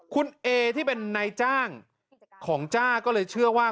คุณเอที่เป็นนายจ้างของจ้าก็เลยเชื่อว่า